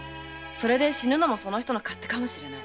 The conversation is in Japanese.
それで死ぬのもその人の勝手かもしれない。